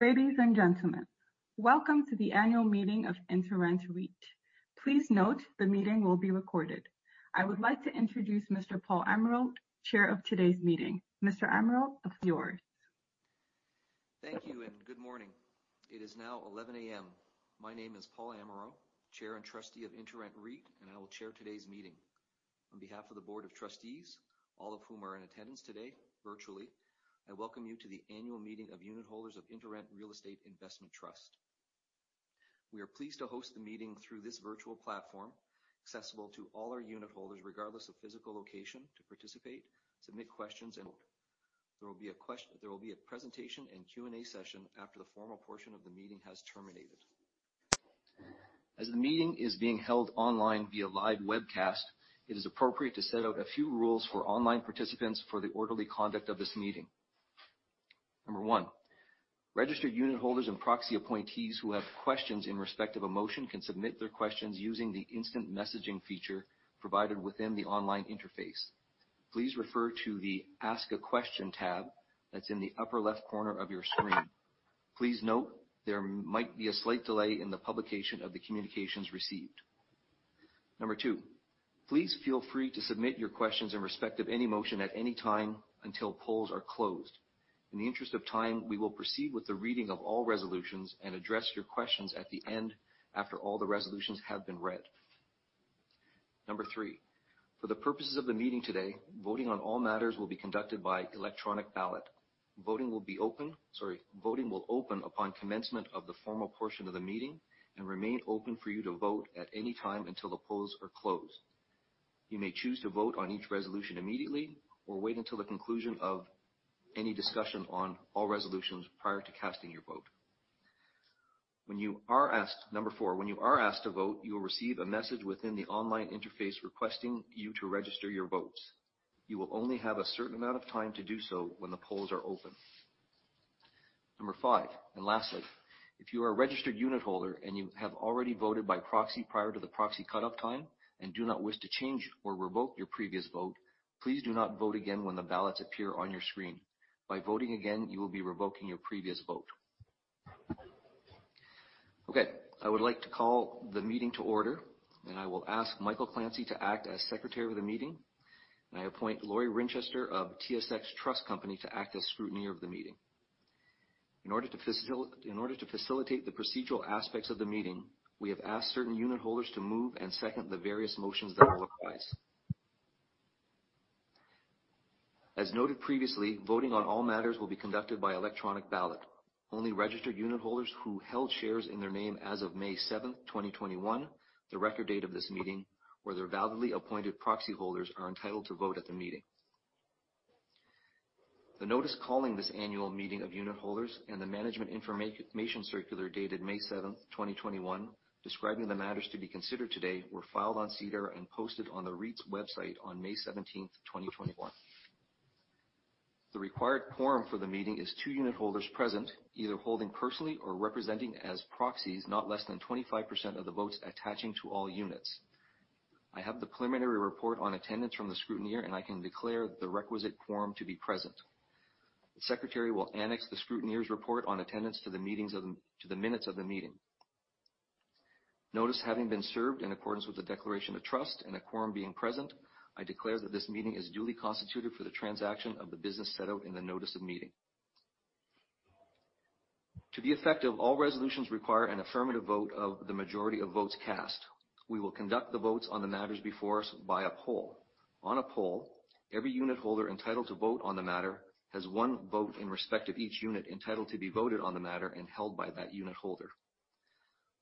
Ladies and gentlemen, welcome to the annual meeting of InterRent REIT. Please note the meeting will be recorded. I would like to introduce Mr. Paul Amirault, Chair of today's meeting. Mr. Amirault, it's yours. Thank you and good morning. It is now 11:00 A.M. My name is Paul Amirault, Chair and Trustee of InterRent REIT, and I will chair today's meeting. On behalf of the board of trustees, all of whom are in attendance today virtually, I welcome you to the annual meeting of unitholders of InterRent Real Estate Investment Trust. We are pleased to host the meeting through this virtual platform, accessible to all our unitholders, regardless of physical location, to participate, submit questions, and vote. There will be a presentation and Q&A session after the formal portion of the meeting has terminated. As the meeting is being held online via live webcast, it is appropriate to set out a few rules for online participants for the orderly conduct of this meeting. Number one, registered unitholders and proxy appointees who have questions in respect of a motion can submit their questions using the instant messaging feature provided within the online interface. Please refer to the Ask a Question tab that's in the upper left corner of your screen. Please note there might be a slight delay in the publication of the communications received. Number two, please feel free to submit your questions in respect of any motion at any time until polls are closed. In the interest of time, we will proceed with the reading of all resolutions and address your questions at the end after all the resolutions have been read. Number three, for the purposes of the meeting today, voting on all matters will be conducted by electronic ballot. Voting will open upon commencement of the formal portion of the meeting and remain open for you to vote at any time until the polls are closed. You may choose to vote on each resolution immediately or wait until the conclusion of any discussion on all resolutions prior to casting your vote. Number four, when you are asked to vote, you'll receive a message within the online interface requesting you to register your votes. You will only have a certain amount of time to do so when the polls are open. Number five, lastly, if you are a registered unitholder and you have already voted by proxy prior to the proxy cutoff time and do not wish to change or revoke your previous vote, please do not vote again when the ballots appear on your screen. By voting again, you will be revoking your previous vote. I would like to call the meeting to order. I will ask Michael Clancy to act as secretary of the meeting. I appoint Lori Winchester of TSX Trust Company to act as scrutineer of the meeting. In order to facilitate the procedural aspects of the meeting, we have asked certain unitholders to move and second the various motions as otherwise. As noted previously, voting on all matters will be conducted by electronic ballot. Only registered unitholders who held shares in their name as of May 7th, 2021, the record date of this meeting, or their validly appointed proxyholders, are entitled to vote at the meeting. The notice calling this annual meeting of unitholders and the management information circular dated May 7th, 2021, describing the matters to be considered today, were filed on SEDAR and posted on the REIT's website on May 17th, 2021. The required quorum for the meeting is two unitholders present, either holding personally or representing as proxies not less than 25% of the votes attaching to all units. I have the preliminary report on attendance from the scrutineer, and I can declare the requisite quorum to be present. The secretary will annex the scrutineer's report on attendance to the minutes of the meeting. Notice having been served in accordance with the declaration of trust and a quorum being present, I declare that this meeting is duly constituted for the transaction of the business set out in the notice of meeting. To be effective, all resolutions require an affirmative vote of the majority of votes cast. We will conduct the votes on the matters before us by a poll. On a poll, every unitholder entitled to vote on the matter has one vote in respect of each unit entitled to be voted on the matter and held by that unitholder.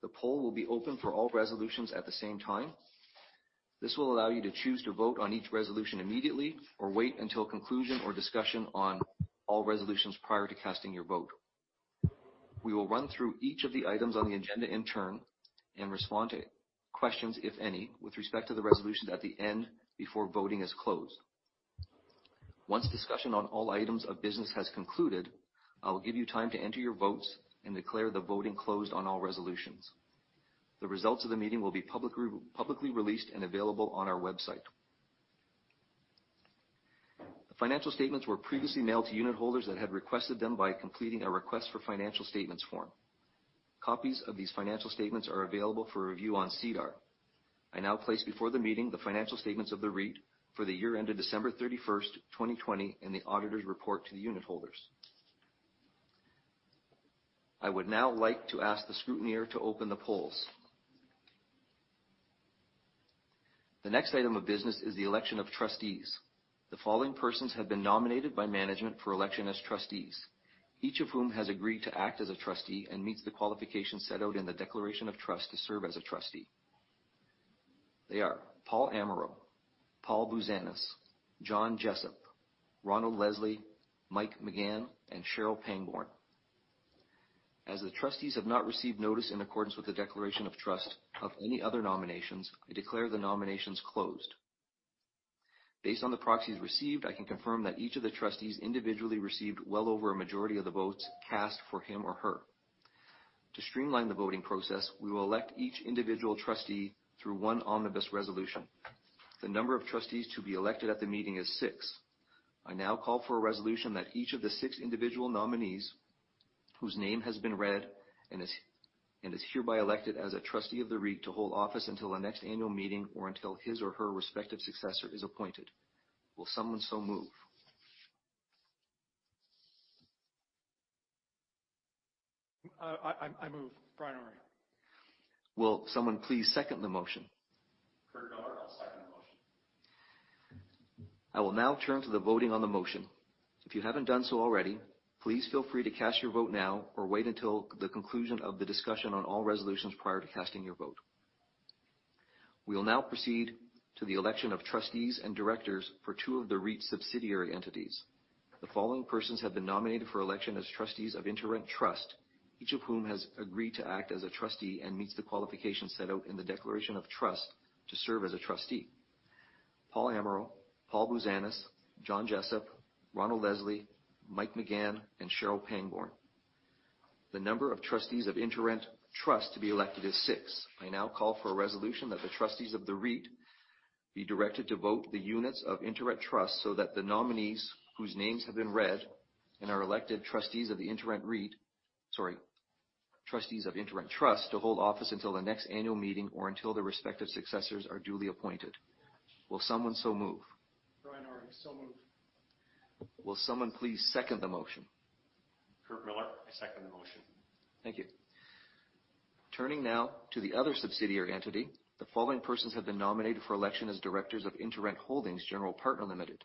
The poll will be open for all resolutions at the same time. This will allow you to choose to vote on each resolution immediately or wait until conclusion or discussion on all resolutions prior to casting your vote. We will run through each of the items on the agenda in turn and respond to questions, if any, with respect to the resolution at the end before voting is closed. Once discussion on all items of business has concluded, I will give you time to enter your votes and declare the voting closed on all resolutions. The results of the meeting will be publicly released and available on our website. Financial statements were previously mailed to unitholders that had requested them by completing a request for financial statements form. Copies of these financial statements are available for review on SEDAR. I now place before the meeting the financial statements of the REIT for the year ended December 31st, 2020, and the auditor's report to the unitholders. I would now like to ask the scrutineer to open the polls. The next item of business is the election of trustees. The following persons have been nominated by management for election as trustees, each of whom has agreed to act as a trustee and meets the qualifications set out in the declaration of trust to serve as a trustee. They are Paul Amirault, Paul Bouzanis, John Jessup, Ronald Leslie, Mike McGahan, and Cheryl Pangborn. As the trustees have not received notice in accordance with the declaration of trust of any other nominations, I declare the nominations closed. Based on the proxies received, I can confirm that each of the trustees individually received well over a majority of the votes cast for him or her. To streamline the voting process, we will elect each individual trustee through one omnibus resolution. The number of trustees to be elected at the meeting is six. I now call for a resolution that each of the six individual nominees whose name has been read and is hereby elected as a trustee of the REIT to hold office until the next annual meeting, or until his or her respective successor is appointed. Will someone so move? I move. Brian Awrey. Will someone please second the motion? I will now turn to the voting on the motion. If you haven't done so already, please feel free to cast your vote now or wait until the conclusion of the discussion on all resolutions prior to casting your vote. We will now proceed to the election of trustees and directors for two of the REIT's subsidiary entities. The following persons have been nominated for election as trustees of InterRent Trust, each of whom has agreed to act as a trustee and meets the qualifications set out in the declaration of trust to serve as a trustee. Paul Amirault, Paul Bouzanis, John Jessup, Ronald Leslie, Mike McGahan, and Cheryl Pangborn. The number of trustees of InterRent Trust to be elected is six. I now call for a resolution that the trustees of the REIT be directed to vote the units of InterRent Trust so that the nominees whose names have been read and are elected trustees of the InterRent REIT, sorry, trustees of InterRent Trust to hold office until the next annual meeting or until their respective successors are duly appointed. Will someone so move? Brian Awrey. Moved. Will someone please second the motion? Curt Millar. I second the motion. Thank you. Turning now to the other subsidiary entity. The following persons have been nominated for election as directors of InterRent Holdings General Partner Limited,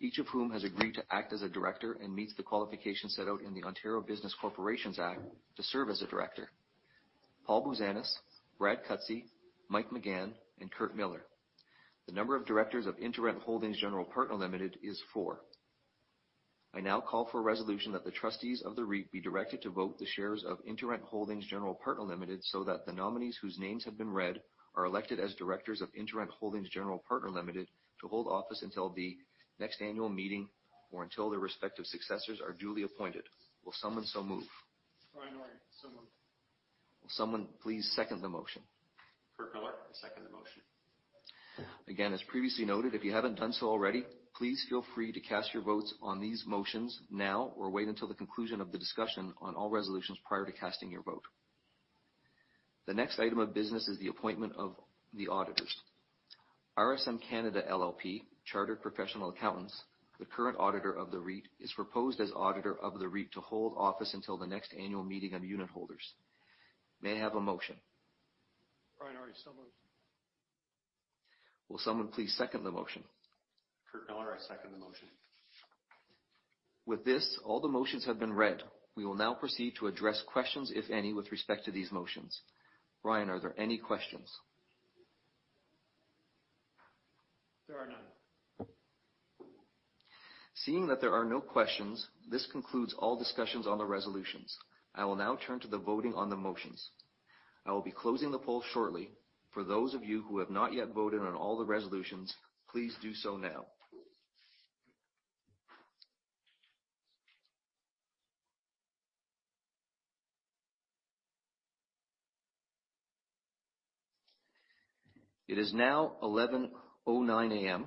each of whom has agreed to act as a director and meets the qualifications set out in the Ontario Business Corporations Act to serve as a director. Paul Bouzanis, Brad Cutsey, Mike McGahan, and Curt Millar. The number of directors of InterRent Holdings General Partner Limited is four. I now call for a resolution that the trustees of the REIT be directed to vote the shares of InterRent Holdings General Partner Limited so that the nominees whose names have been read are elected as directors of InterRent Holdings General Partner Limited to hold office until the next annual meeting or until their respective successors are duly appointed. Will someone so move? Brian Awrey. So moved. Will someone please second the motion? Curt Millar. I second the motion. Again, as previously noted, if you haven't done so already, please feel free to cast your votes on these motions now or wait until the conclusion of the discussion on all resolutions prior to casting your vote. The next item of business is the appointment of the auditors. RSM Canada LLP, chartered professional accountants, the current auditor of the REIT, is proposed as auditor of the REIT to hold office until the next annual meeting of unitholders. May I have a motion? Brian. So moved. Will someone please second the motion? Curt Millar. I second the motion. With this, all the motions have been read. We will now proceed to address questions, if any, with respect to these motions. Brian, are there any questions? There are none. Seeing that there are no questions, this concludes all discussions on the resolutions. I will now turn to the voting on the motions. I will be closing the poll shortly. For those of you who have not yet voted on all the resolutions, please do so now. It is now 11:09 A.M.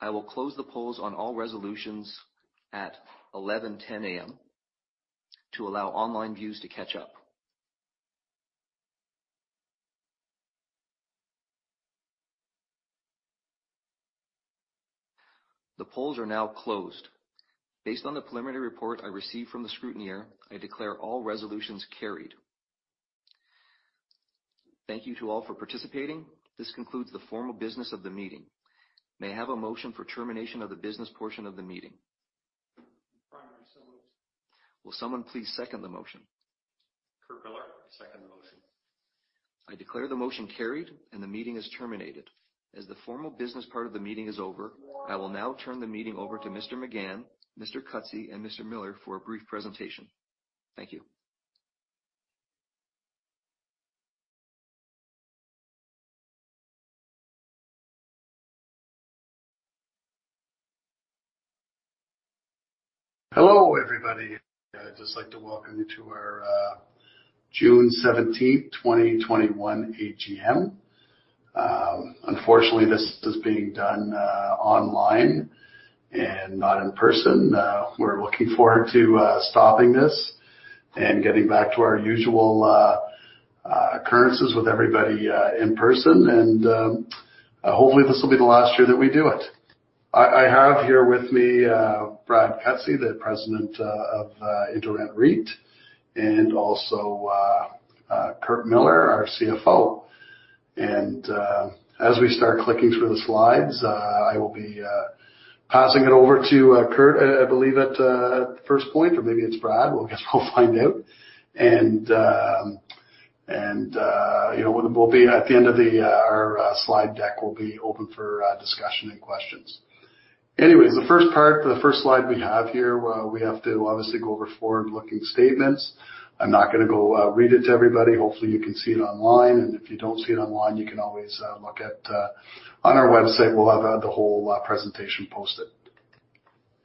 I will close the polls on all resolutions at 11:10 A.M. to allow online views to catch up. The polls are now closed. Based on the preliminary report I received from the scrutineer, I declare all resolutions carried. Thank you to all for participating. This concludes the formal business of the meeting. May I have a motion for termination of the business portion of the meeting? Brian. So moved. Will someone please second the motion? Curt Millar. I second the motion. I declare the motion carried, and the meeting is terminated. As the formal business part of the meeting is over, I will now turn the meeting over to Mr. McGahan, Mr. Cutsey, and Mr. Millar for a brief presentation. Thank you. Hello, everybody. I'd just like to welcome you to our June 17th, 2021 AGM. Unfortunately, this is being done online and not in person. We're looking forward to stopping this and getting back to our usual occurrences with everybody in person. Hopefully, this will be the last year that we do it. I have here with me, Brad Cutsey, the president of InterRent REIT, and also Curt Millar, our CFO. As we start clicking through the slides, I will be passing it over to Curt, I believe, at the first point, or maybe it's Brad. We'll just find out. At the end of our slide deck, we'll be open for discussion and questions. Anyways, the first part, the first slide we have here, we have to obviously go over forward-looking statements. I'm not going to go read it to everybody. Hopefully, you can see it online, and if you don't see it online, you can always look at on our website. We'll have the whole presentation posted.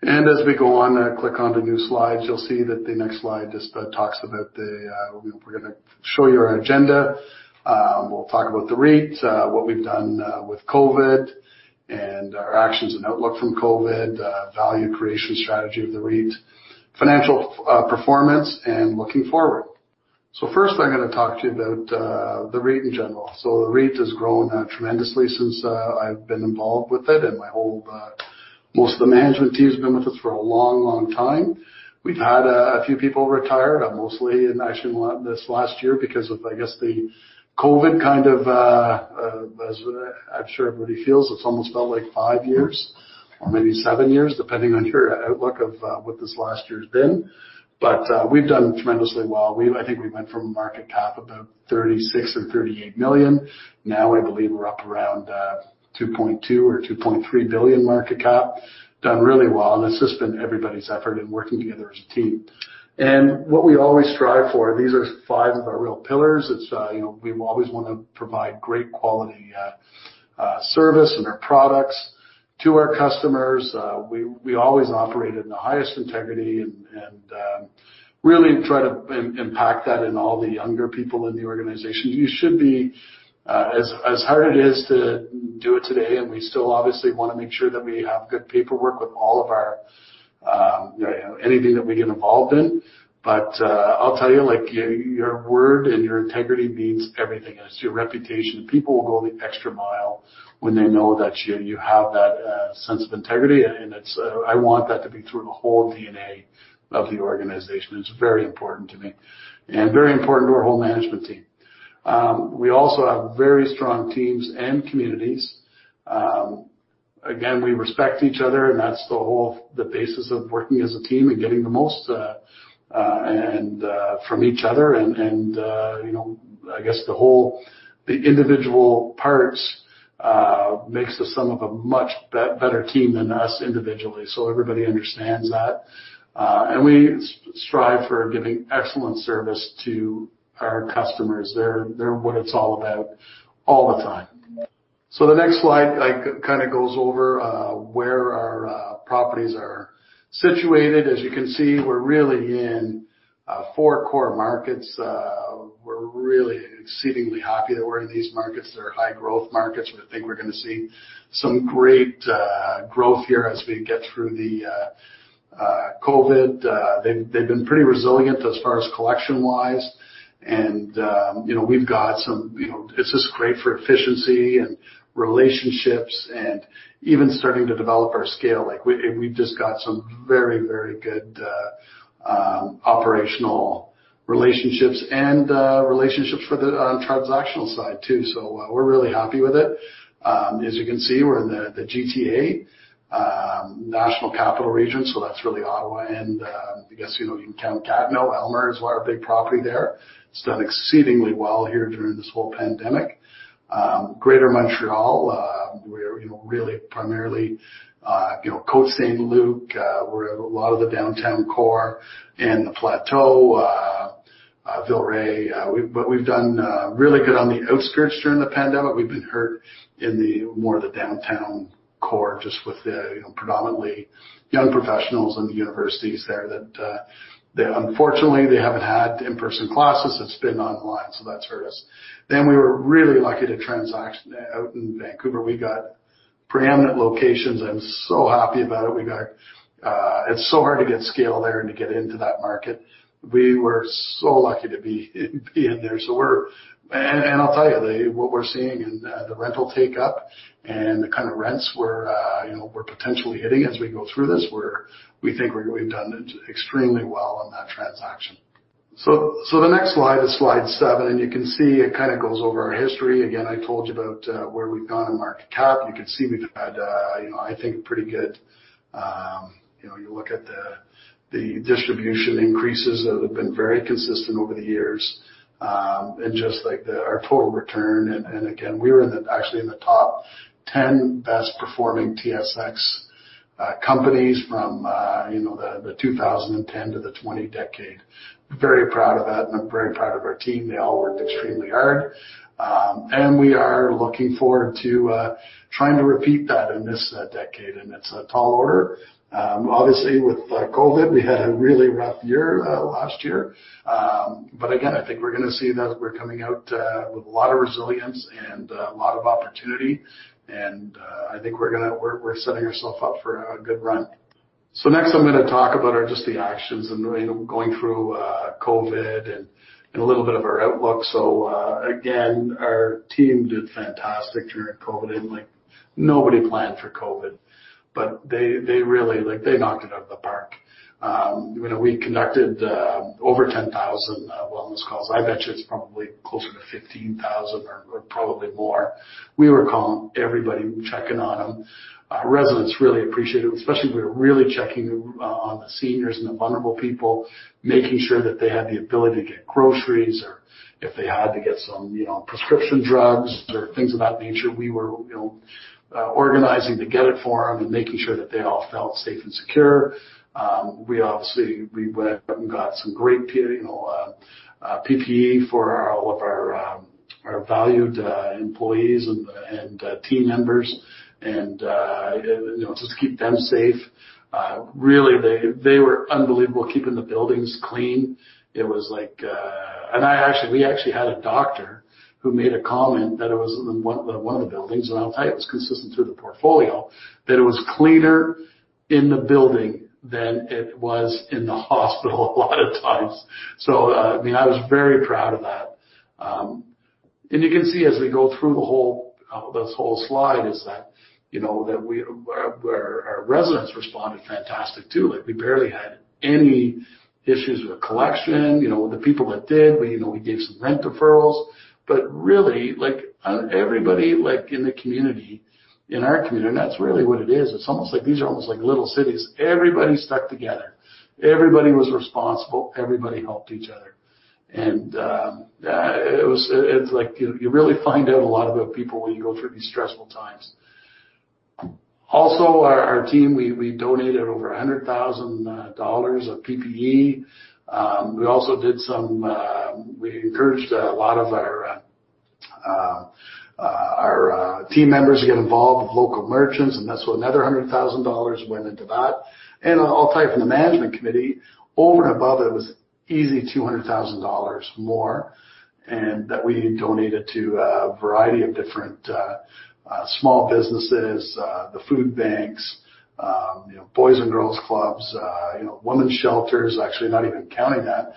As we go on, I click on the new slides, you'll see that the next slide just talks about. We're going to show you our agenda. We'll talk about the REIT, what we've done with COVID and our actions and outlook from COVID, the value creation strategy of the REIT, financial performance, and looking forward. First, I'm going to talk to you about the REIT in general. The REIT has grown tremendously since I've been involved with it and most of the management team's been with us for a long, long time. We've had a few people retire, mostly in this last year because of, I guess, the COVID kind of I'm sure everybody feels it's almost felt like five years or maybe seven years, depending on your outlook of what this last year's been. We've done tremendously well. I think we went from a market cap of about 36 million or 38 million. Now I believe we're up around 2.2 billion or 2.3 billion market cap. Done really well, it's just been everybody's effort and working together as a team. What we always strive for, these are five of our real pillars. We always want to provide great quality service and our products to our customers. We always operate in the highest integrity and really try to impact that in all the younger people in the organization. You should be, as hard it is to do it today, and we still obviously want to make sure that we have good paperwork with anything that we get involved in. I'll tell you, your word and your integrity means everything. It's your reputation. People will go the extra mile when they know that you have that sense of integrity, I want that to be through the whole DNA of the organization. It's very important to me and very important to our whole management team. We also have very strong teams and communities. Again, we respect each other, and that's the whole basis of working as a team and getting the most from each other. I guess the individual parts makes the sum of a much better team than us individually. Everybody understands that. We strive for giving excellent service to our customers. They're what it's all about all the time. The next slide goes over where our properties are situated. As you can see, we're really in four core markets. We're really exceedingly happy to where these markets are high-growth markets. We think we're going to see some great growth here as we get through the COVID. They've been pretty resilient as far as collection-wise. It's just great for efficiency and relationships and even starting to develop our scale. We just got some very good operational relationships and relationships for the transactional side too. We're really happy with it. As you can see, we're in the GTA, National Capital Region, so that's really Ottawa. I guess you can count Gatineau. Aylmer is our big property there. It's done exceedingly well here during this whole pandemic. Greater Montreal, where really primarily Côte Saint-Luc, we're in a lot of the downtown core in the Plateau, Villeray. We've done really good on the outskirts during the pandemic. We've been hurt in more of the downtown core just with the predominantly young professionals in the universities there that unfortunately, they haven't had in-person classes. It's been online, that's hurt us. We were really lucky to transaction out in Vancouver. We got premium locations. I'm so happy about it. It's so hard to get scale there to get into that market. We were so lucky to be in there. I'll tell you, what we're seeing is the rental take up and the kind of rents we're potentially hitting as we go through this, we think we've done extremely well in that transaction. The next slide is slide seven, and you can see it kind of goes over our history. Again, I told you about where we've gone in market cap. You can see we've had, I think, pretty good. You look at the distribution increases that have been very consistent over the years. Just like our total return, again, we were actually in the top 10 best performing TSX companies from the 2010 to the 2020 decade. Very proud of that. I'm very proud of our team. They all work extremely hard. We are looking forward to trying to repeat that in this decade. It's a tall order. Obviously, with COVID, we had a really rough year last year. Again, I think we're going to see that we're coming out with a lot of resilience and a lot of opportunity, and I think we're setting ourselves up for a good run. Next, I'm going to talk about just the actions and going through COVID and a little bit of our outlook. Again, our team did fantastic during COVID, and nobody planned for COVID. They really knocked it out of the park. We conducted over 10,000 wellness calls. I bet you it's probably closer to 15,000 or probably more. We were calling everybody, checking on them. Residents really appreciate it, especially we were really checking on the seniors and the vulnerable people, making sure that they had the ability to get groceries or if they had to get some prescription drugs or things of that nature. We were organizing to get it for them and making sure that they all felt safe and secure. We obviously went and got some great PPE for all of our valued employees and team members, and just keep them safe. Really, they were unbelievable keeping the buildings clean. We actually had a doctor who made a comment that it was in one of the buildings, and I'll tell you it's consistent through the portfolio, that it was cleaner in the building than it was in the hospital a lot of times. I was very proud of that. And you can see as we go through this whole slide is that, our residents responded fantastic to it. We barely had any issues with collection. The people that did, we gave some rent deferrals. Really, everybody in our community, and that's really what it is. It's almost like these are almost like little cities. Everybody stuck together. Everybody was responsible, everybody helped each other, and you really find out a lot about people when you go through these stressful times. Also, our team, we donated over 100,000 dollars of PPE. We encouraged a lot of our team members to get involved with local merchants, that's another 100,000 dollars went into that. I'll tell you, from the management committee, over and above, it was easy 200,000 dollars more, that we donated to a variety of different small businesses, the food banks, Boys and Girls Clubs, women's shelters, actually not even counting that.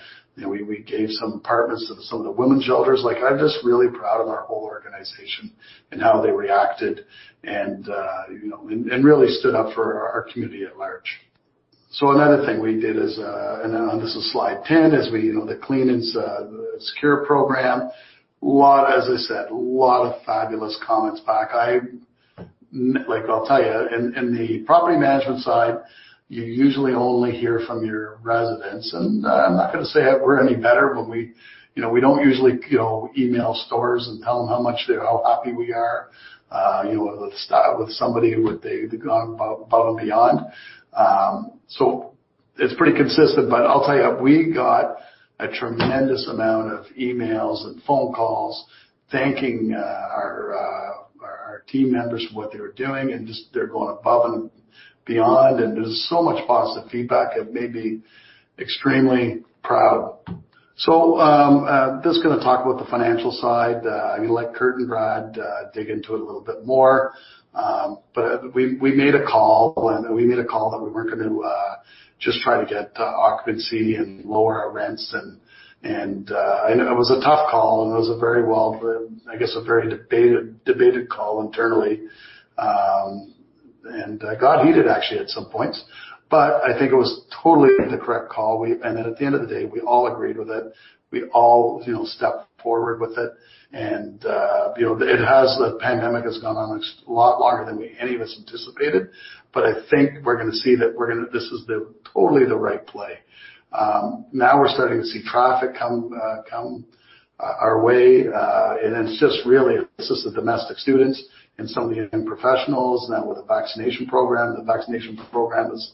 We gave some apartments to some of the women's shelters. I'm just really proud of our whole organization, and how they reacted, and really stood up for our community at large. Another thing we did is, this is slide 10, is the Clean and Secure program. As I said, a lot of fabulous comments back. I'll tell you, in the property management side, you usually only hear from your residents, and I'm not going to say that we're any better, but we don't usually email stores and tell them how happy we are with somebody who went above and beyond. It's pretty consistent, but I'll tell you, we got a tremendous amount of emails and phone calls thanking our team members for what they were doing, and just they're going above and beyond, and there's so much positive feedback. It made me extremely proud. I'm just going to talk about the financial side. I'm going to let Curt and Brad dig into it a little bit more. We made a call that we weren't going to just try to get to occupancy and lower our rents, and it was a tough call, and it was, I guess, a very debated call internally. Got heated, actually, at some points. I think it was totally the correct call, and at the end of the day, we all agreed with it. We all stepped forward with it. The pandemic has gone on a lot longer than any of us anticipated, but I think we're going to see that this is totally the right play. Now we're starting to see traffic come our way, and it's just the domestic students and some of the young professionals now with the vaccination program. The vaccination program has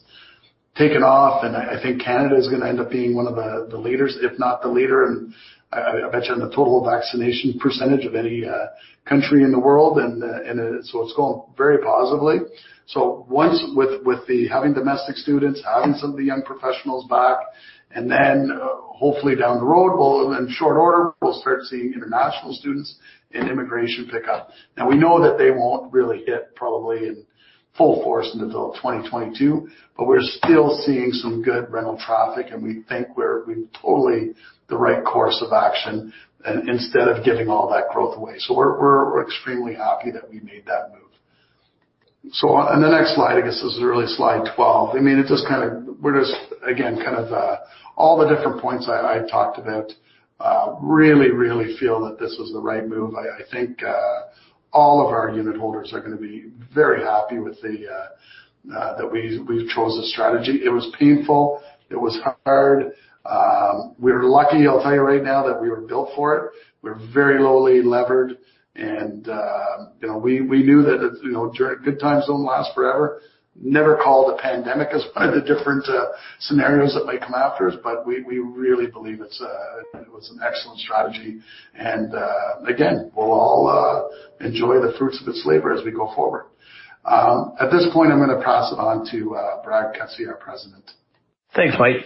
taken off, and I think Canada is going to end up being one of the leaders, if not the leader, I imagine, the total vaccination percentage of any country in the world, and so it's going very positively. Once with having domestic students, having some of the young professionals back, and then hopefully down the road, well, in short order, we'll start seeing international students and immigration pick up. We know that they won't really hit probably in full force until 2022, we're still seeing some good rental traffic, and we think we're in totally the right course of action than instead of giving all that growth away. We're extremely happy that we made that move. On the next slide, this is really slide 12. We're just, again, kind of all the different points I talked about. Really, really feel that this was the right move. I think all of our unit holders are going to be very happy that we chose this strategy. It was painful. It was hard. We're lucky, I'll tell you right now, that we were built for it. We're very lowly levered. We knew that good times don't last forever. Never called a pandemic as one of the different scenarios that may come after us. We really believe it was an excellent strategy. Again, we'll all enjoy the fruits of its labor as we go forward. At this point, I'm going to pass it on to Brad Cutsey, our President. Thanks, Mike.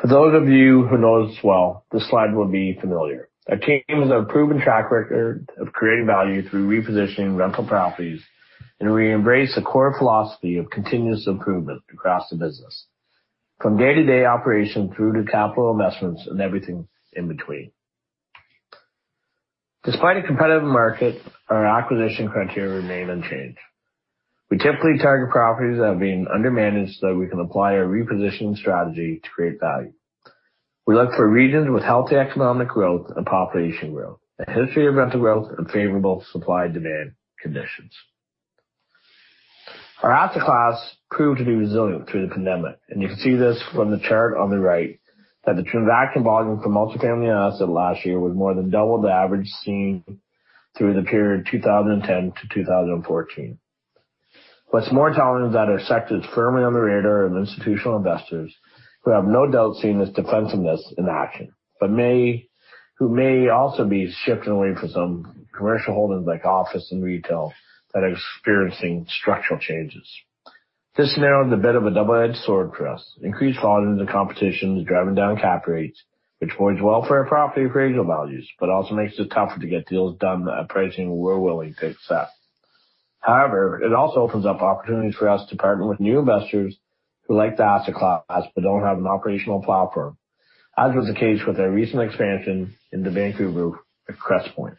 For those of you who know us well, this slide will be familiar. Our team has a proven track record of creating value through repositioning rental properties, and we embrace a core philosophy of continuous improvement across the business, from day-to-day operations through to capital investments and everything in between. Despite a competitive market, our acquisition criteria remain unchanged. We typically target properties that have been undermanaged so that we can apply our repositioning strategy to create value. We look for regions with healthy economic growth and population growth, a history of rental growth, and favorable supply-demand conditions. Our asset class proved to be resilient through the pandemic. You can see this from the chart on the right that the transaction volume for multifamily assets last year was more than double the average seen through the period 2010-2014. What's more telling is that our sector is firmly on the radar of institutional investors who have no doubt seen this defensiveness in action, but who may also be shifting away from some commercial holdings like office and retail that are experiencing structural changes. This narrative is a bit of a double-edged sword for us. Increased volume of the competition is driving down cap rates, which bodes well for our property appraisal values but also makes it tougher to get deals done at pricing we're willing to accept. However, it also opens up opportunities for us to partner with new investors who like the asset class but don't have an operational platform, as was the case with our recent expansion into Vancouver with Crestpoint.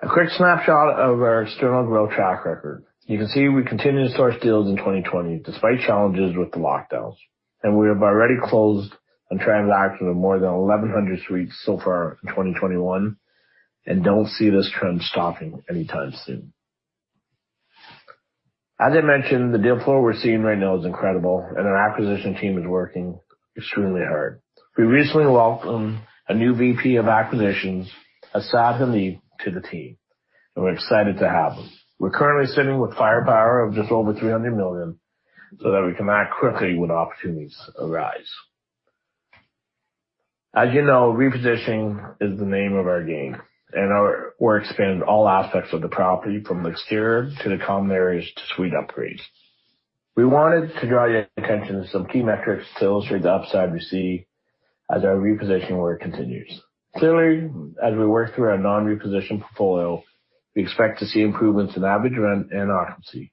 A quick snapshot of our external growth track record. You can see we continued to source deals in 2020 despite challenges with the lockdowns, and we have already closed on transactions of more than 1,100 suites so far in 2021, and don't see this trend stopping anytime soon. As I mentioned, the deal flow we're seeing right now is incredible, and our acquisition team is working extremely hard. We recently welcomed a new VP of Acquisitions, Asad Hanif, to the team, and we're excited to have him. We're currently sitting with firepower of just over 300 million so that we can act quickly when opportunities arise. As you know, repositioning is the name of our game. We're expanding all aspects of the property, from the exterior to the common areas to suite upgrades. We wanted to draw your attention to some key metrics to illustrate the upside we see as our repositioning work continues. Clearly, as we work through our non-reposition portfolio, we expect to see improvements in average rent and occupancy,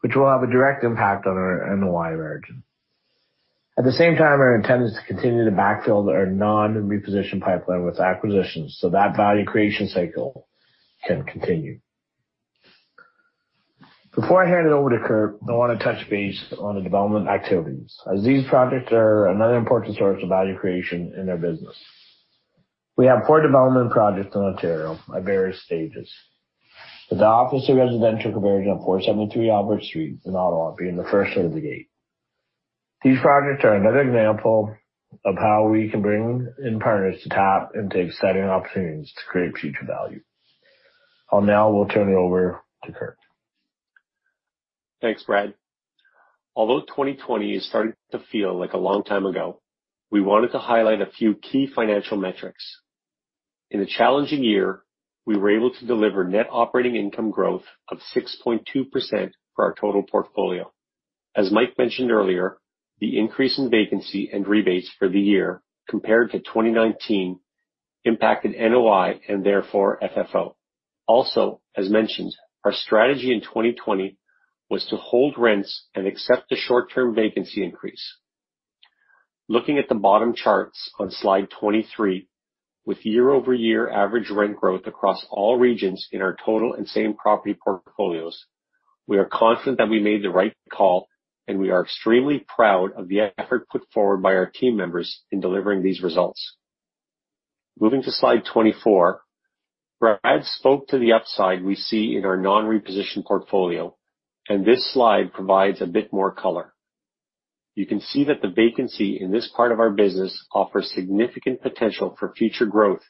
which will have a direct impact on our NOI margin. At the same time, our intent is to continue to backfill our non-reposition pipeline with acquisitions so that value creation cycle can continue. Before handing it over to Curt, I want to touch base on the development activities, as these projects are another important source of value creation in our business. We have four development projects in Ontario at various stages, with the office and residential conversion of 473 Albert Street in Ottawa being the first out of the gate. These projects are another example of how we can bring in partners to tap into exciting opportunities to create future value. I'll now turn it over to Curt. Thanks, Brad. Although 2020 is starting to feel like a long time ago, we wanted to highlight a few key financial metrics. In a challenging year, we were able to deliver net operating income growth of 6.2% for our total portfolio. As Mike mentioned earlier, the increase in vacancy and rebates for the year compared to 2019 impacted NOI and therefore FFO. Also, as mentioned, our strategy in 2020 was to hold rents and accept the short-term vacancy increase. Looking at the bottom charts on slide 23, with year-over-year average rent growth across all regions in our total and same property portfolios, we are confident that we made the right call, and we are extremely proud of the effort put forward by our team members in delivering these results. Moving to slide 24. Brad spoke to the upside we see in our non-reposition portfolio, and this slide provides a bit more color. You can see that the vacancy in this part of our business offers significant potential for future growth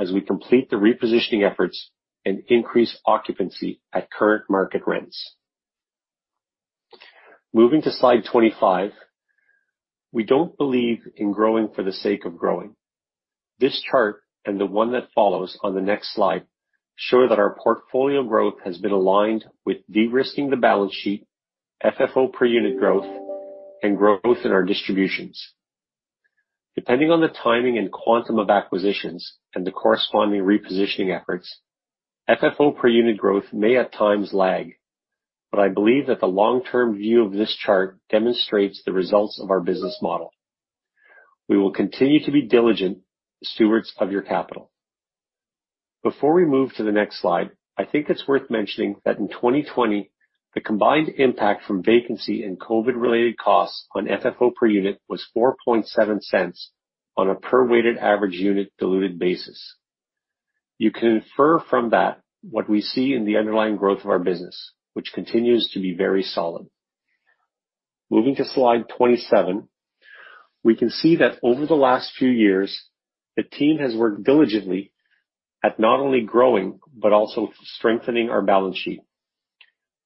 as we complete the repositioning efforts and increase occupancy at current market rents. Moving to slide 25. We don't believe in growing for the sake of growing. This chart, and the one that follows on the next slide, show that our portfolio growth has been aligned with de-risking the balance sheet, FFO per unit growth, and growth in our distributions. Depending on the timing and quantum of acquisitions and the corresponding repositioning efforts, FFO per unit growth may at times lag, but I believe that the long-term view of this chart demonstrates the results of our business model. We will continue to be diligent stewards of your capital. Before we move to the next slide, I think it's worth mentioning that in 2020, the combined impact from vacancy and COVID-related costs on FFO per unit was 0.047 on a per weighted average unit diluted basis. You can infer from that what we see in the underlying growth of our business, which continues to be very solid. Moving to slide 27. We can see that over the last few years, the team has worked diligently at not only growing but also strengthening our balance sheet.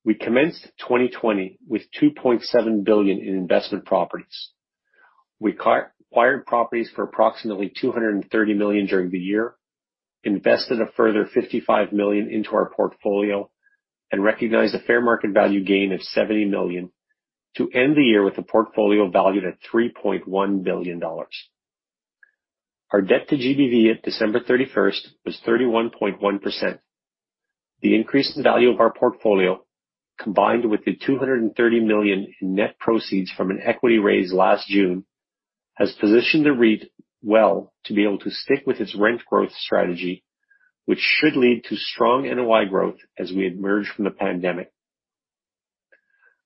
We commenced 2020 with 2.7 billion in investment properties. We acquired properties for approximately 230 million during the year, invested a further 55 million into our portfolio, and recognized a fair market value gain of 70 million to end the year with a portfolio valued at 3.1 billion dollars. Our debt to GBV at December 31st was 31.1%. The increase in the value of our portfolio, combined with the 230 million in net proceeds from an equity raise last June, has positioned the REIT well to be able to stick with its rent growth strategy, which should lead to strong NOI growth as we emerge from the pandemic.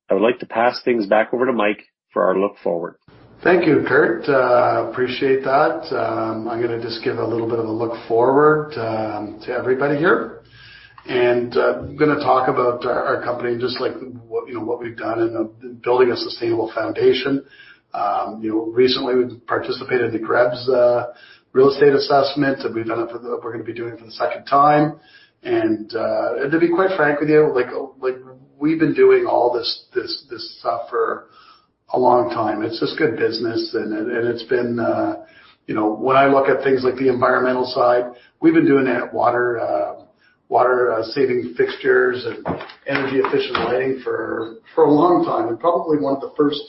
I would like to pass things back over to Mike for our look forward. Thank you, Curt. Appreciate that. I'm going to just give a little bit of a look forward to everybody here. I'm going to talk about our company just like what we've done in building a sustainable foundation. Recently, we participated in the GRESB's real estate assessment. We're going to be doing it for the second time. To be quite frank with you, we've been doing all this stuff for a long time. It's just good business. When I look at things like the environmental side, we've been doing that water saving fixtures and energy-efficient lighting for a long time, and probably one of the first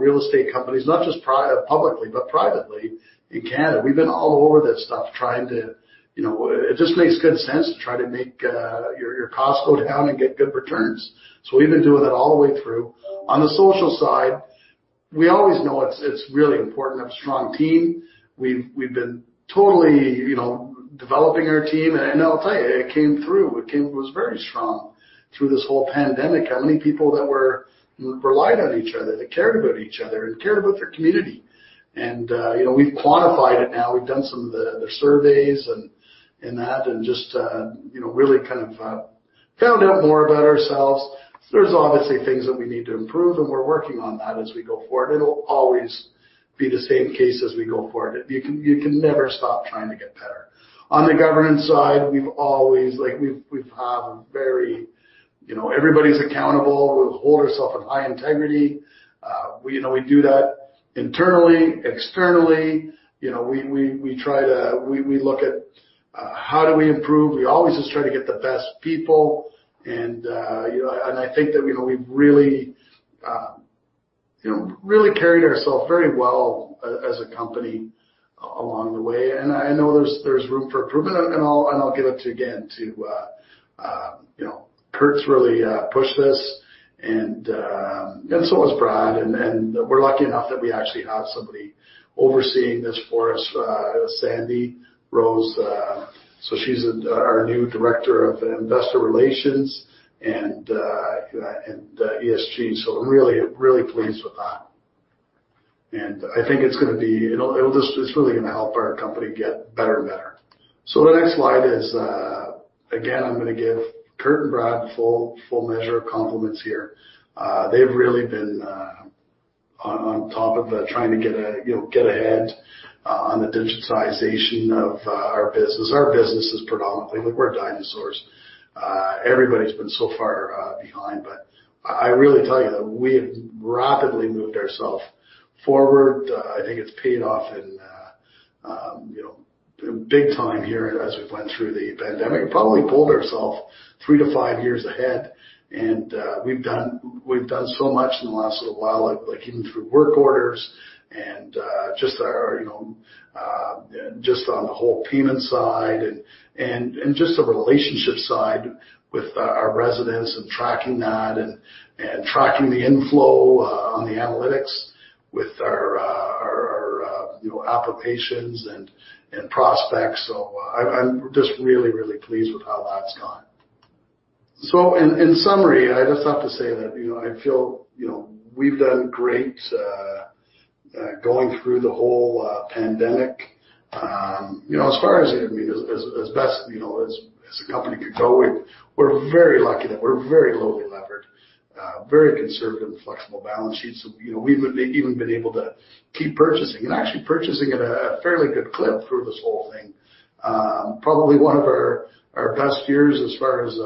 real estate companies, not just publicly, but privately in Canada. We've been all over that stuff. It just makes good sense to try to make your costs go down and get good returns. We've been doing it all the way through. On the social side, we always know it's really important to have a strong team. We've been totally developing our team, and I'll tell you, it came through. It was very strong through this whole pandemic, how many people that were relying on each other, that cared about each other and cared about their community. We've quantified it now. We've done some of the surveys and that, and just really kind of found out more about ourselves. There's obviously things that we need to improve, and we're working on that as we go forward. It'll always be the same case as we go forward. You can never stop trying to get better. On the governance side, everybody's accountable. We hold ourselves in high integrity. We do that internally, externally. We look at how do we improve. We always just try to get the best people. I think that we've really carried ourselves very well as a company along the way. I know there's room for improvement, and I'll get it to you again, too. Curt's really pushed this, and so has Brad, and we're lucky enough that we actually have somebody overseeing this for us, Sandy Rose. She's our new director of investor relations and ESG, really pleased with that. I think it's really going to help our company get better and better. The next slide is, again, I'm going to give Curt and Brad full measure of compliments here. They've really been on top of trying to get ahead on the digitization of our business. Our business is predominantly, look, we're dinosaurs. Everybody's been so far behind, I really tell you that we have rapidly moved ourself forward. I think it's paid off in big time here as we went through the pandemic. Probably pulled ourself three to five years ahead. We've done so much in the last little while, even through work orders and just on the whole payment side and just the relationship side with our residents and tracking that and tracking the inflow on the analytics with our applications and prospects. I'm just really, really pleased with how that's gone. In summary, I just have to say that I feel we've done great going through the whole pandemic. As far as best as a company could go. We're very lucky that we're very lowly levered, very conservative and flexible balance sheet. We've even been able to keep purchasing and actually purchasing at a fairly good clip through this whole thing. Probably one of our best years as far as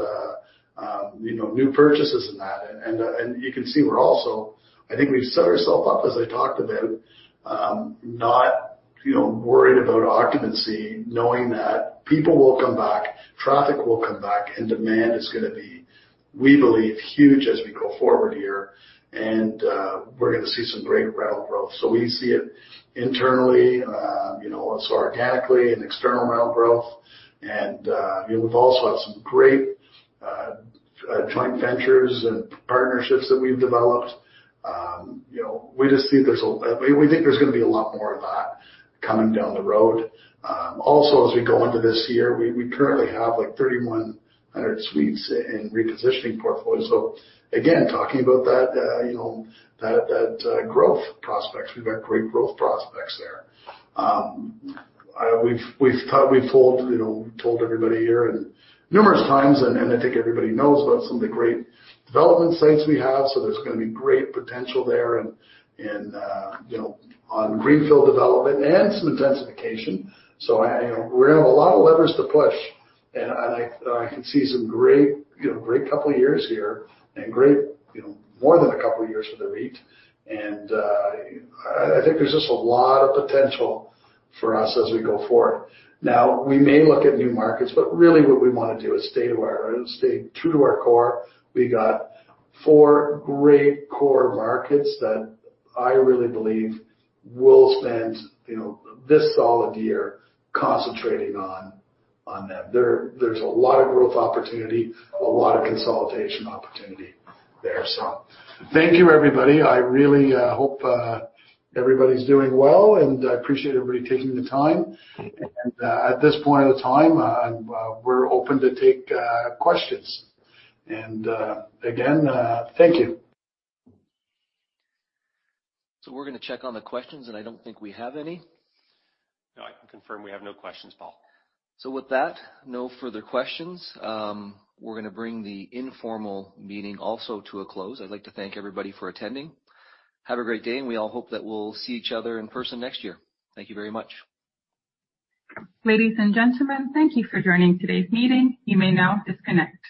new purchases and that. You can see we're also, I think we've set ourselves up, as I talked about, not worried about occupancy, knowing that people will come back, traffic will come back, and demand is going to be, we believe, huge as we go forward here. We're going to see some great rental growth. We see it internally, organically and external rental growth. We've also had some great joint ventures and partnerships that we've developed. We think there's going to be a lot more of that coming down the road. Also, as we go into this year, we currently have 3,100 suites in repositioning portfolio. Again, talking about that growth prospects, we've got great growth prospects there. We've told everybody here numerous times, and I think everybody knows about some of the great development sites we have. There's going to be great potential there on greenfield development and some intensification. We have a lot of levers to push, and I can see some great couple of years here and more than a couple of years under our belt. I think there's just a lot of potential for us as we go forward. We may look at new markets, but really what we want to do is stay to our core. We got four great core markets that I really believe we'll spend this solid year concentrating on them. There's a lot of growth opportunity, a lot of consolidation opportunity there. Thank you, everybody. I really hope everybody's doing well, and I appreciate everybody taking the time. At this point in time, we're open to take questions. Again, thank you. We're going to check on the questions, and I don't think we have any. No, I can confirm we have no questions, Paul. With that, no further questions. We're going to bring the informal meeting also to a close. I'd like to thank everybody for attending. Have a great day, and we all hope that we'll see each other in person next year. Thank you very much. Ladies and gentlemen, thank you for joining today's meeting. You may now disconnect.